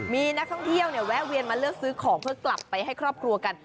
มีนักท่องเที่ยวเนี่ยแวะเวียนมาเลือกซื้อของเพื่อกลับไปให้ครอบครัวกัน